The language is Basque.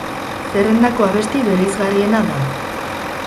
Zerrendako abesti bereizgarriena da.